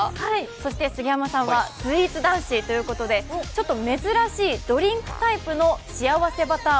そして杉山さんはスイーツ男子ということでちょっと珍しいドリンクタイプのしあわせバタ味